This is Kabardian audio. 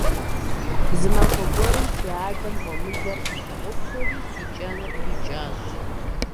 Зы махуэ гуэрым си адэм гъуэмылэр къыщыгъупщэри, си кӀэныр къикӀащ.